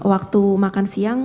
waktu makan siang